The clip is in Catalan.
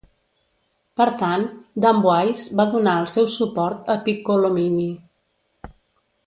Per tant, d'Amboise va donar el seu suport a Piccolomini.